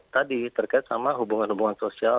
tadi terkait sama hubungan hubungan sosial